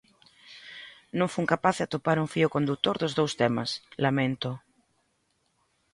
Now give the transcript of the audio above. Non fun capaz de atopar un fío condutor dos dous temas, laméntoo.